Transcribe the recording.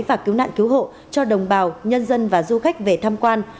và cứu nạn cứu hộ cho đồng bào nhân dân và du khách về tham quan